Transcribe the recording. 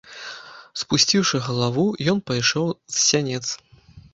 Спусціўшы галаву, ён пайшоў з сянец.